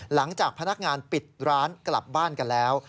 หลังจากพนักงานปิดร้านกลับบ้านกันแล้ว